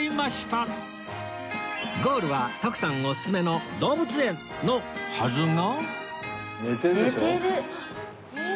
ゴールは徳さんオススメの動物園のはずが